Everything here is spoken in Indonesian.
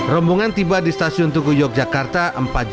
rombongan tiba di stasiun tuku yogyakarta empat januari jam enam pagi